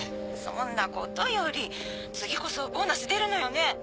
そんなことより次こそボーナス出るのよね？